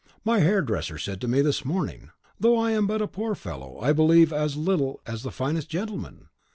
My hairdresser said to me this morning, 'Though I am but a poor fellow, I believe as little as the finest gentleman!